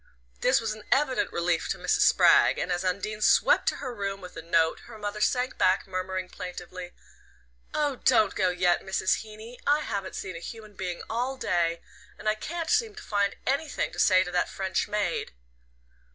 This was an evident relief to Mrs. Spragg, and as Undine swept to her room with the note her mother sank back, murmuring plaintively: "Oh, don't go yet, Mrs. Heeny. I haven't seen a human being all day, and I can't seem to find anything to say to that French maid."